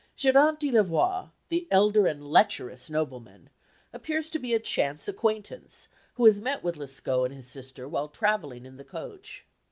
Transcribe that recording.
Geronte di Lavoir, the elderly and lecherous nobleman, appears to be a chance acquaintance, who has met with Lescaut and his sister while travelling in the coach.